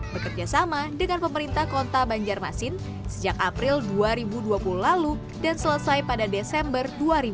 bekerja sama dengan pemerintah kota banjarmasin sejak april dua ribu dua puluh lalu dan selesai pada desember dua ribu dua puluh